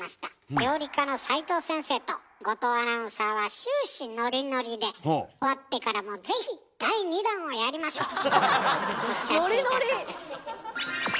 料理家の斉藤先生と後藤アナウンサーは終始ノリノリで終わってからもとおっしゃっていたそうですよ。